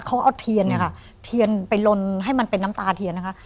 เขาเอาเทียนเนี่ยค่ะเทียนไปลนให้มันเป็นน้ำตาเทียนนะคะ